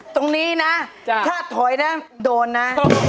ตรงนี้นะถ้าถอยนะโดนนะ